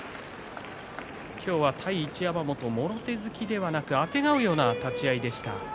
今日は対一山本もろ手突きではなくあてがうような立ち合いでした。